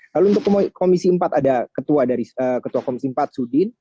lalu untuk komisi empat ada ketua komisi empat sudin